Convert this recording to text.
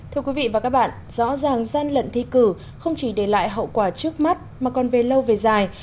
thưa quý vị và các bạn rõ ràng gian lận thi cử không chỉ để lại hậu quả trước mắt mà còn về lâu về dài